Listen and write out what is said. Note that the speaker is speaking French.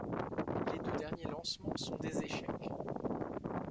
Les deux derniers lancements sont des échecs.